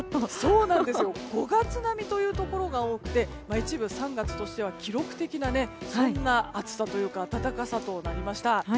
５月並みというところが多くて一部３月としては記録的な暑さというか暖かさとなりました。